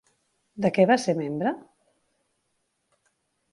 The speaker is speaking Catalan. De què va ser membre?